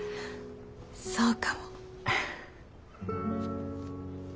そうかも。